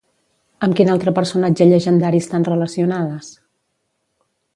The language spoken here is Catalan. Amb quin altre personatge llegendari estan relacionades?